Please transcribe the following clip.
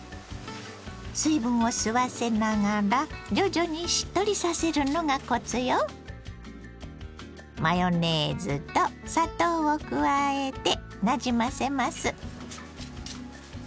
水分を吸わせながら徐々にしっとりさせるのがコツよ。を加えてなじませます。